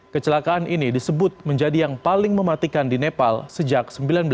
kecelakaan ini disebut menjadi yang paling mematikan di nepal sejak seribu sembilan ratus sembilan puluh